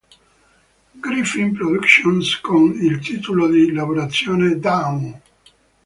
Griffith Productions con il titolo di lavorazione "Dawn".